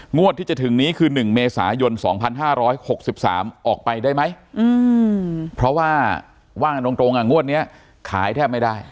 งวดที่จะถึงนี้คือหนึ่งเมษายนสองพันห้าร้อยหกสิบสามออกไปได้ไหมอืมเพราะว่าว่างตรงตรงอ่ะงวดเนี้ยขายแทบไม่ได้